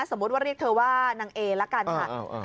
สมมุติว่าเรียกเธอว่านางเอละกันค่ะ